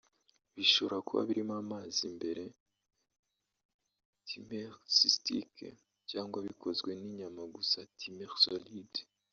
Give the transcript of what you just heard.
bishobora kuba birimo amazi imbere (tumeurs cystique) cyangwa bikozwe n’inyama gusa (tumeurs solide)